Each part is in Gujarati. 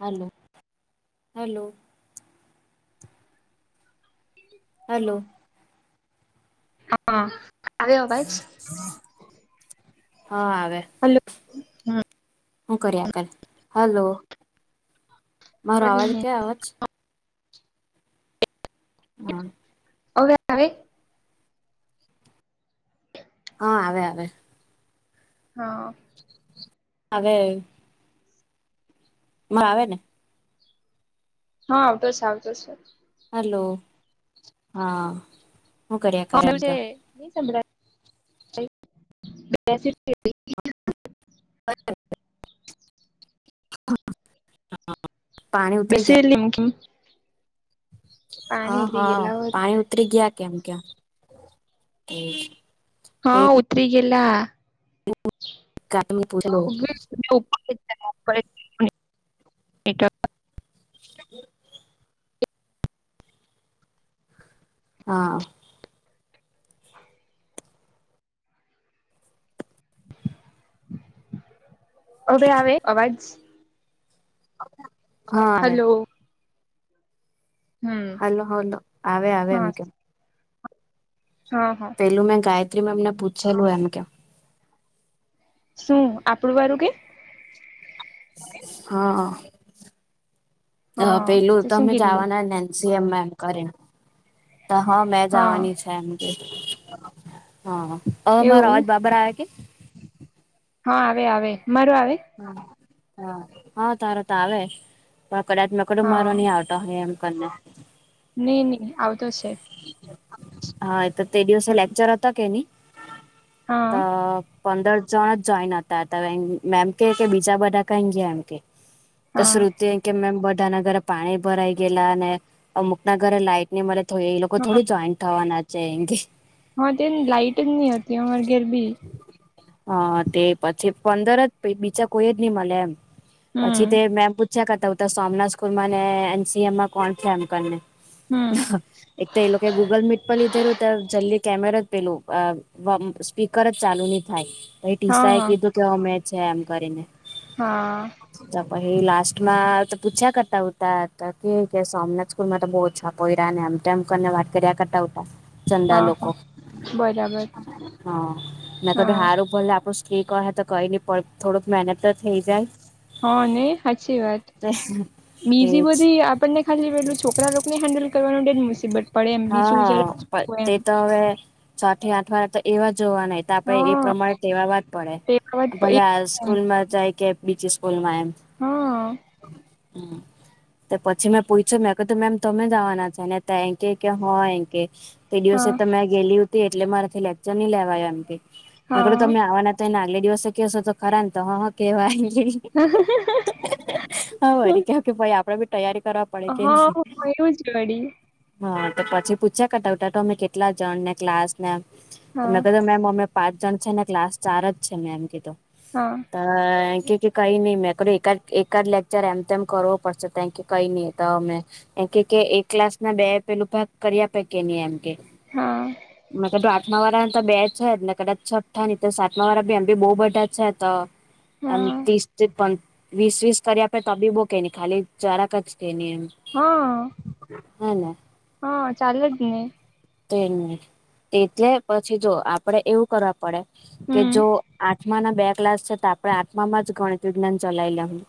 Hello hello. હલો. હા આવે અવાજ હા આવે. હલો હમ હું કર્યા કર હલો મારો અવાજ કરીને ક્યા અવાજ હા. ઓવે આવે [inaudible] હા આવે આવે હા. આવે માં આવે હા આવતો છે આવતો છે હલો હા. હું કર્યા કરે એમ હાભલ્યું છે કે [inaudible] પાણી ઉતરી બેસી ગયા [unintelligible] હા હા પાણી ઉતરી ગયા કેમ કેયા હા ઉતરી ગયેલા પૂછલો [inaudible] હ [inaudible] હા હવે આવે અવાજ હા આવે હલો હમ હલો હલો આવે આવે હા એમ કેમ હા હા પેલું મેં ગાયત્રીમેમ ને પૂછેલું એમ કેમ શું આપડું વારું કે? હા અ હા પેલું તો શું તમે કીધલું જાવાના ને સીએમ મેક કરીન તો હ મે હા જવાની છે એમ હા હવે મારો એવું અવાજ બરાબર આવે કે? હા આવે આવે મારું આવે? હા હા હા તારો તો આવે પણ કદાચ મે કીધું હા મારો નહીં આવ તા હેમ કરી ને ની ની આવતો સે હા એ તો તે દિવસે હા લેક્ચર હતો કે ની હા ત પંદર જણ જ જોઈન હતા ત મેમ કે કે બીજા બધા કઈ ગયા એમ કે હા [unintelligible] કે મેમ બધા ના ઘરે પાણી ભરાઈ ગયેલા અને અમુક ના ઘરે લાઈટ ની મલે તો એ પણ થોડી જોઈન્ટ થવાના છે એં હા તે લાઇટ ની હોતી અમારે ઘર બી હા તે પછી પંદર જ પહિ બીજા કોઈ જ નહી મલે એમ પછી હમ તે મેમ પૂછ્યા કરતા સોમનાથ સ્કૂલમાને એનસીએમમાં કોણ છે એમ કરીને હમ એક તો એ લોકો ગૂગલ મીટ પર લીધેલું તો જલ્દી કેમેરા પેલું અ આમ સ્પીકર જ ચાલુ નહી થાય પહિ હા ટીસા એ હા કીધું ગમે છે એમ કરીને હા તો પહિ લાસ્ટ માં તો પૂછ્યા કરતા હોતા કે સોમનાથ સ સ્કૂલમાં તો બહુ ઓછા પોયરા એમતેમ વાત કર્યા કરતા હતા ચંદા હા લોકો હા હ બરાબર મે કીધું હા હારુ ભલે આપડું કી કહે તો કઈ નહી પણ થોડુંક મહેનત તો થઇ જાય હ નય સાચી વાત બીજી એજ બધી આપણને ખાલી પેલું છોકરા લોકોને હેન્ડલ કરવાનું તેજ મુસીબત પડે એમ બીજું જરા હા પણ હોય તે એમ તો હવે છ થી આઠ વાળા તો એવા જ જોવા ના એતો આપડે એ હા પ્રમાણે તેવવાવા જ પડે તે વાત પ- એ ભલે આળસુ એમ. સ્કૂલ માં જાય કે બીજી સ્કૂલમાં એમ હા તે પછી મેં પૂછ્યું મેં કીધું મેમ તમે જાવા છે ને તય કે કે હ એમ કે તે દિવસે હા તમે ગેલી હતી એટલે મારેથી લેક્ચર ન લેવાયા એમ કે મેં કીધું હા તમે આવાના તેન આગલે દિવસે કેશો તો ખરા તો હ હ કેહેવાય હા [inaudible] હા વરી કે કે ભાઈ આપડે બી તૈયારી કરવા પડે કે નહી તુજ વળી હા તો પછી પૂછ્યા કરતા ઉતા તમે કેટલા જણ ને ક્લાસ ને હા મેં કીધું મેમ અમે પાંચ જણ છે ને ક્લાસ ચાર જ છે મેં એમ કીધું હા ત એમ કે કઈ ની મેં એકદ એકાદ લેક્ચર એમ તેમમ કરવો પડશે ત કે કઈ ની એ તો અમે એ કે કે એક ક્લાસ ના બે પેલું ભાગ કરી આપે કે ની એમ કે હા મે કીધું આઠમા વાળા તો બે છે જ ને કદાચ છઠ્ઠા ની તો સાતમા વાળા બી એમ ભી બો બધા છે તો એમ હા ત્રીસ વીસ વીસ કર્યા પે તબીબોકે ન ખાલી જરાક કે ની આમ હા હા ને હા ચાલે જ ને તે ન એટલે પછી જો આપડે એવું કરવા પડે કે હમ જો આઠમાના બે ક્લાસ છે તો આપણે આત્મામાં વિજ્ઞાન ચલાય લેનું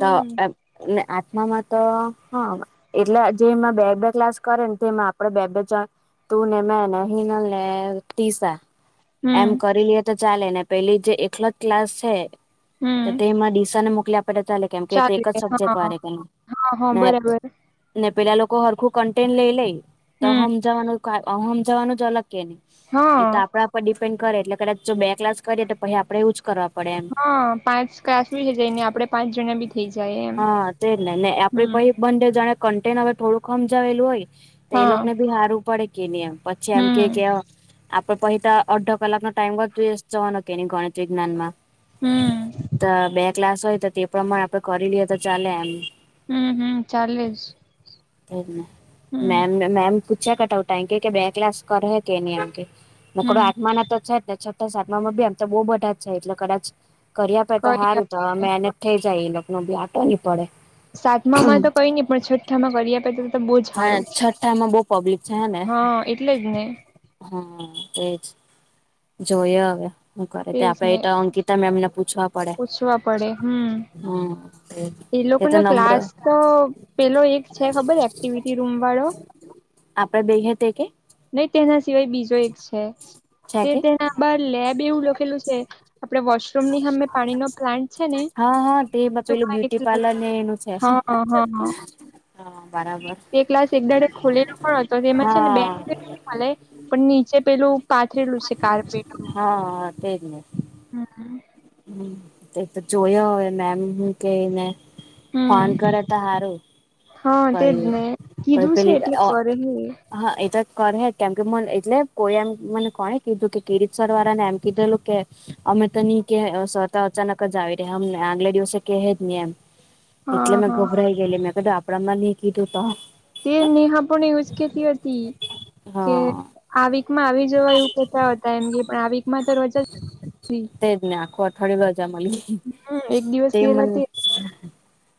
તો એ આત્મામાં તો હા એટલે જેમાં બેગ બેગ ક્લાસ કરે ને તેમાં આપણે બે બેજા તું ને મે ને હિન ને તીસા હમ એમ કરી લએ તો ચાલે ને પેલી જે એકલો જ ક્લાસ છે હમ તો તેમાં ડીસા ને મોકલ્યા પડે ત કેમ કે તે ચાલે એક જ સબ્જેક્ટ હા વાળે હા કે હા ને બરાબર ને પેલા લોકો હરખું કન્ટેન્ટ લઈ લે તો હમ સમજવાનું સમજવાનું જ અલગ કે નહી હા એ તો આપણા પર ડિપેન્ડ કરે એટલે કદાચ જો બે ક્લાસ કરીએ તો પછી આપડે એવું જ કરવા આપ હા પાંચ ક્લાસ બીજે જઈને આપડે પાંચ જણા બી જે જઈએએમ તે ને ને આપડી પછી બંધ જણા કન્ટેન હવે થોડું હમ જાવેલું હોય તો એ હા લોકો ને ભી હારુ પડે કેની એમ પછી એમ કે હમ કે આપડે પહિ તો અડધો કલાક નો ટાઈમ જ વેસ્ટ જવાનો કે ગણિત વિજ્ઞાન માં હમ તો બે ક્લાસ હોય તો તે પ્રમાણે આપડે કરી લઈએ તો ચાલે એમ હમ્મ હમ્મ ચાલે જ એજ ને હમ મેમ મેમને પૂછ્યા કટાઉ ટાઈમ કે બે ક્લાસ કરે હે કે એમ કે મુ કર હમ આત્મા ના તો છે જ ને છઠા સાતમાં એ તો બહુ બધા જ છે એટલે કદાચ કર્યા આપે તો કરી સારું તો અમે આપે એને જ થઇ જાય એ લોકો નોબી આટો ની પડે સાતમા માં તો કઈ ની પણ છઠ્ઠામાં કરી આપે તો તો બહુ જ હા સારું છઠ્ઠામાં બઉ પબ્લિક છે ને હા એટલે જ ને હમ્મ એજ જોય હવે શું કરે તે તેજ આપડે ને એટ અંકિતા મેમને પૂછવા પડે પૂછવા પડે હમ હમ્મ એ લોકો નો ક્લાસ તો પેલો એક છે ખબર એક્ટિવિટી રૂમ વાળો આપડે બે હે તે કે નહી તેના સિવાય બીજો એક છે છે તે કે તેના પર લેબ એવું લખેલું છે. આપડે વોશરૂમની સામે પાણી નો પ્લાન્ટ ને હા હા તે પેલું જોવા બ્યુટી એટલા પાર્લર ને એનું છે. હ અ હ હ હા. બરાબર. તે ક્લાસ એક દાડે ખોલેલો પણ હતો તેમાં છે ને બે હા ચાલે પણ નીચે પેલું પાથરેલું છે કાર્પેટ નું હા. એ જ ને હા એ હમ્મ તે તો જોયે અવે મેમ હું કેય એને ફોન હમ કરે તો હારું હા તેજ પહી ને કીધું છે એટલે કરે ની એ હં એ તો કરહે જ કેમ કે મને એટલે કોઈએ મને કોણે કીધું કે કિરીટ સરવારા ને એમ કીધેલું કે અમે તો ની કે સર તો અચાનક જ આવી રેહે અમને આગલે દિવસે કેહે જ ની એમ એટલે હા મેં હા ગભરાય ગેલી મેં કીધું આપડામાં ની કીધું તો તે નીહા પણ એવુ જ કેતી અતી કે હા. આ વીકમાં આવી જવાય એવું કેતા હતા એમ કે પણ આ વીકમાં તો રજા જ બી તેજ ને આખો અઠવાડયુ રજા મલી હમ એક દિવસ તે ગેલ મને હતી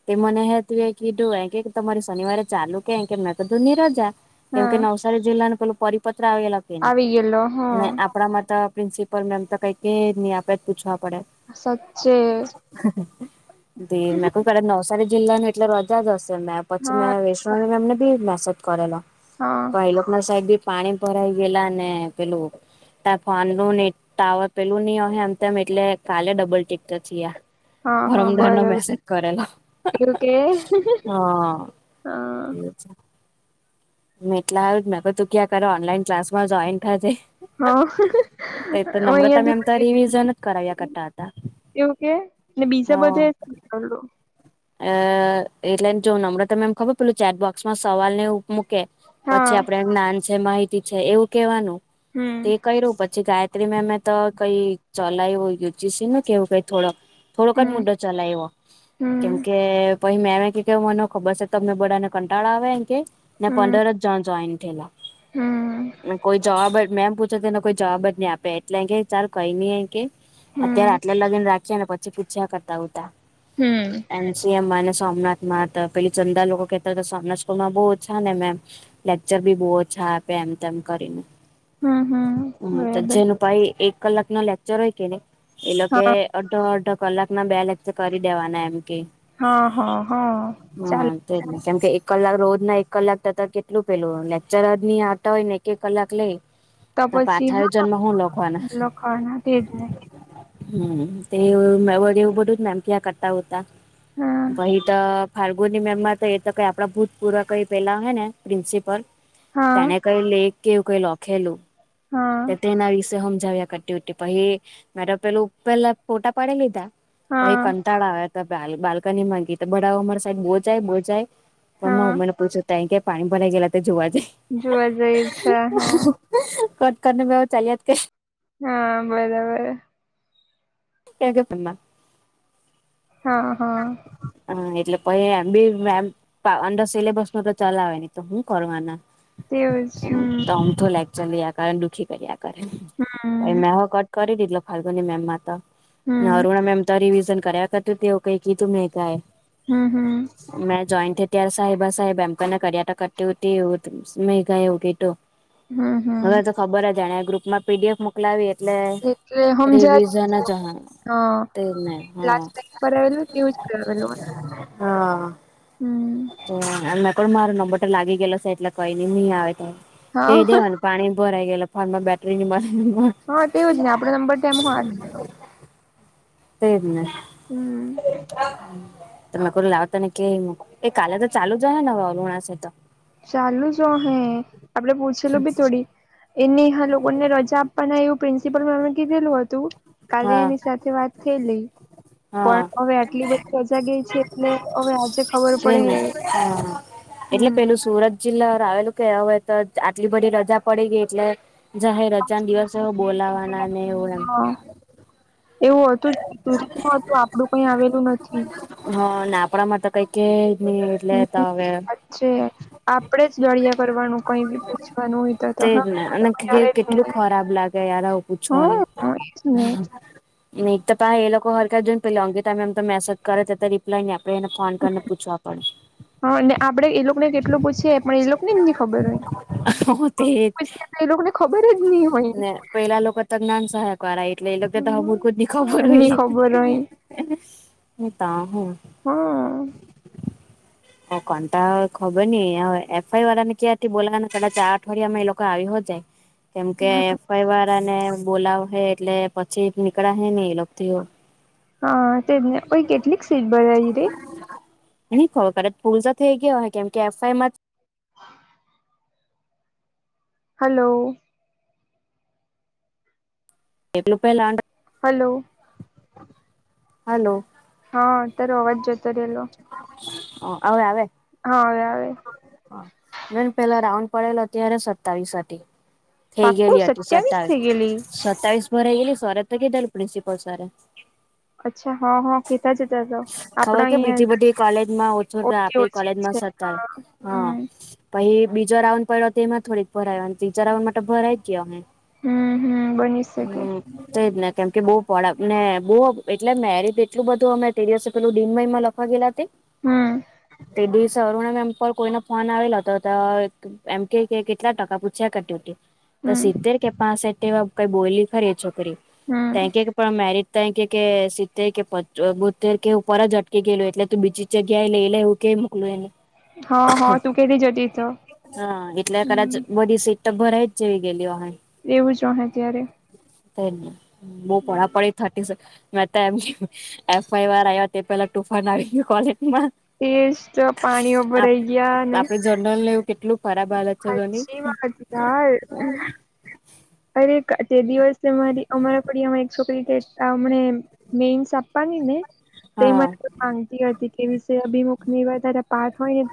તે મને હેતવી એ કીધું એમ કે કે તમારી શનિવારે ચાલુ કે એમકે મેં તો ની રજા કેમ કે હા નવસારી જિલ્લાનું પેલું પરિપત્ર આવેલા કે ની આવી ગયેલો હા ને આપડા માં તો પ્રિન્સિપલ મેમ તો કઈ કે જ ની આપડે જ પૂછવા પડે સાચે તે મે [unintelligible] પેલા નવસારી જિલ્લાનુ એટલે રજા જ હશે મેં પછી હા મેં વેસ્વા એમને બી મેસેજ કરેલો હાં. પણ એ લોક ના સાઈડ બી પાણી ભરાઈ ગેલા ને પેલું તા ફોન નું ને ટાવર પેલું ની અહે એમ તેમ એટલે કાલે ડબલ ટિક તો થીયા હા હા પરમદાર નો બરાબર મેસેજ કરેલો એવું કે હા એવું છે. મે એટલા હારુ મેં તો તુ કીયા કરુ ઓનલાઈન ક્લાસમાં જોઈન થાજે હા હ ઉ મેમ તો અયાથી રિવિઝન જ કરાવ્યા કરતા હતા [unintelligible] એવું કે ને બીજે બધે હા [unintelligible] અ એટલે જો નમ્રતા મેમ ખબર પેલું ચેટબોક્સમાં સવાલ ને એવું મૂકે હા પછી આપડે જ્ઞાન છે માહિતી છે એવું કેવાનું તે હમ કયરુ પછ છી ગાયત્રીમેમે તો કઈ ચલાયવુ યુજીસીનુ કે એવું કઈ થોડો થોડોક જ હમ મુડ ચલાયવો કેમ હમ કે પહી મેમે કીધુ મને હો ખબર સે તમને બધાને કંટાળા આવે એમ કેય ને હમ પંદર જ જણ જોઈન્ટ થેયલા હમ ને કોઈ જવાબ જ મેમ પૂછે તેનો કોઈ જવાબ જ ની આપે એટલે એમ કેય ચાલ કઈ ની એમ કેય અત્યારે હમ આટલે લગીન રાખ છે ને પછી પૂછ્યા કરતા ઉતા હમ્મ એન સી એમ માં અને સોમનાથ માં તો પેલી ચંદા લોકો કેતા તા સોમનાથમાં બઉ ઓછા ને મેમ લેક્ચર બી બો ઓછા આપે એમ તેમ કરીને હમ હમ હં બરાબર જેનું ભાઈ એક કલાકનો લેક્ચર હોય કે ની એ લોકે હા અડધો અડધો કલાકના બે લેકચર કરી દેવાના એમ કેય હં હં હં ચાલ તેજ ને કેમ કે એક કલાક રોજ ના એક કલાક થતા કેટલું પેલું લેક્ચર જ ની આવતા હોય ને એક એક કલાક લેય તો તાં પછી પાછા હા આયોજનનુ હું લખવાના લખાણ તેજ ને હં તે વળી [unintelligible] બધું જ મેમ કીયા કરતા ઉતા હં પહી તો ફાલ્ગુની મેમમાં તો એ તો કંઈ આપણા ભૂતપૂર્વ કંઈ પેલા અહે ને પ્રિન્સિપલ હા તેને કઈ લેખ કે એવુ લખેલું હા તો તેના વિષ હમજાવ્યા કરટી પહિ મારે પણ એ મે તો પેલુ પેલા ફોટા પાડી લીધા પહિ હા તાળા આવ્યા હતા બાલ્કનીમા ઊભી બડાઓ અમારી સાઈડ બો જાય બો જાય મ હા મને પૂછે કેમ કે પાણી ભરાઈ ગયેલા તે જોવા જાય જોવા ગઈ છે હા. કટ કરને બેવ ચાલીયાત કઈ હા બરાબર. કે ગે તમાર હ હ હ એટલે આમ બી અડર સિલેબસ ન તો ચલાવે ની તો હું કરવાના તેવું જ હમ અમથું લેક્ચર લેયા કરે અને કામ ચલાવ ચલિયા કરે દુઃખી કર્યા કરે લેવા [unintelligible] કરી દીધલો ફાલ્ગુની મેમમાં તો હમ ને હમ અરુણા મેમ તો રિવિઝન કર્યા કરતી કઈ કીધું ની કાય હમ્મ હમ્મ. મે જોઈન્ટ થઈ ત્યારે સાહેબા સાહેબ એમને કરિયા તો કરતી એવું મેઘા એવું કેય ટો હમ્મ હમ્મ. ખબર જ જાણેયા ગ્રુપમાં પી ડી એફ મુક લાવી એટલે એટલે હમજાત રિવિઝન જ ઓહે તેજ ને હ પર રહેલું કરાવેલું તે જ કરાવે હા. હમ્મ. હમ્મ [unintelligible] મારો નંબર લાગી ગયેલો છે એટલે કઈ ની ની આવે તો કઈ હા દેવાનું પાણી ભરાય ગયેલા ફોનમાં બેટરી ની મલે હા તે જ આપણો નંબર તેમ હોય તેજ ને હમ મે કો લાવ તને કે એ કાલે તો ચાલુ જ હોય ને હરુણા છે તો ચાલુ જો હે આપડે પૂછેલું બી થોડી એની લોકોને રજા આપવાના એવું પ્રિન્સિપલ મેમે કીધેલું હતું. કાલે હા એની સાથે વાત થયેલી હા પણ હવે આટલી બધી રજા ગઈ છે એટલે હવે આજે ખબર પડે તેને હે હા એટલે પેલું સુરત જિલ્લા આવેલું કે હવે તો આટલી બધી રજા પડી ગઈ એટલે જાહેર રજાન હમ દિવસે એઉ બોલાવાના ને એવું એમ હા એવું હતું તો આપડું કઈ આવેલું નથી હા આપણા માટે તો કઈ કે નહી એટલે હમ, તો એ હવે વાત છે આપડે જ લળિયા કરવાનું કઈ બી પૂછવાનું હોય તો તો તેજ હા ને અને તો કઈ આવે જ કેટલું નહી ખરાબ લાગે યાર આવું હ પૂછવાનું એજ ને [unintelligible] ને એક તો પાહા એ લોકો હરખા જોઇન પેલ અંકિતા મેમ તમ મેસેજ કરે તે રિપ્લે નય આપે ને ફોન કર ને પૂછવાનું પડે. હા અને આપડે એ લોકોને કેટલું પૂછીએ પણ એ લોકોને જ નહી ખબર હોય પડે તે પછી એ લોકોને ખબર જ નહી હોય ને પેલા લોકો તો જ્ઞાનસહાયક વારા એટલે એ લોકો તો હમૂળખું જ ની ખબર ની હોય ખબર હોય તા હુ હા. ઓ કંતા ખબરની એફઆઈ વાળાને ક્યારથી બોલવાના બે ચાર અઠવાડિયામાં એ લોકો આવી હો જાય કેમ કે એફ. વાય. વાળને બોલાવ શે, એટલે પછી નીકળા શે ની એ લોકોથી પણ હા, તેમને કેટલીક સીટ ભરાવી હતી. એ ની ખબર ફુલ તો થઈ ગઈ હશે, કેમ કે એફઆઈ માં હલો. એટલે પેલા [inaudible] હલો. હલો. હા, તારો અવાજ જતો રહેલો. હા, હવે આવે. હા, હવે આવે. મેન પહેલા રાઉન્ડ પડેલો, ત્યારે સત્તાવીસ હતી. થઈ પાક્કું ગયી હતી સત્યાવીસ સત્તાવીસ, થઈ ગયેલી સત્તાવીસ ભરાઈ ગયેલી સરે તો કીધેલું પ્રિન્સિપલ સરે અચ્છા હા હા કેતા જતા તો ખબર આપડા કે અહિયાં બીજી બધી કોલેજમાં ઓછો ઓછી આપણી ઓછી જ કોલેજમાં છે સ ત્યારે હા હા હમ પછી બીજો રાઉન્ડ પડ્યો તેમાં થોડીક ભરાય, ત્રીજા રાઉન્ડમા તો ભરાઈ જ ગઈ હશે. હમ હમ બની શકે હમ. તેજ ને કેમ કે બહુ એટલે ને બહુ એટલું બધું અમે તે દિવસે પેલું દિનમયમાં લખ લખવા ગયેલા તે, હમ તે દિવસે અરૂણા નામ પર કોઈનો ફોન આવેલો હતો તો એમ કહે કે કેટલા ટકા પૂછ્યા કરતી હતી. તો હમ સિત્તેર કે પાસેટ એવા કઈ બોલી ખરી છોકરી કેમ કે હમ પણ મેરીટ તો કહે કે સીત્તેર કે બોત્તેર કે ઉપર જ અટકી ગયલું એટલે તું બીજી જગ્યા એ લઈ લે એ કહી મુકેલું એને હા, હા, તું કહતી જ હતી એતો હા એટલે કદાચ બધી સીટ તો ભરાય જ જેવી ગયેલી હશે. એવું જ હશે ત્યારે તેને બહુ હમ. પળાપળી થતી છે, મેં તેમ એફ. વાઈ. વાળા આવ્યા તે પહેલા તુફાન આવી ગયું કોલેજમાં. ટેસ્ટ પાણી આપણી જનરલને એવું કેટલું ખરાબ હાલત છે. જોની સાચી વાત યાર તે દિવસે અમારી ફળિયામાં એક છોકરી કે અમને મેઇન્સ આપવાની ને તે હા મને માંગતી હતી કે વિશે અભિમુખ ની વધારે પાઠ હોય ને